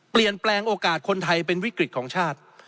เปลี่ยนแปลงโอกาสคนไทยเป็นวิกฤตของชาติ